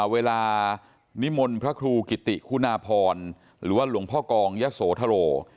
นิมนต์พระครูกิติคุณาพรหรือว่าหลวงพ่อกองยะโสธโร